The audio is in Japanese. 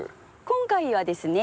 今回はですね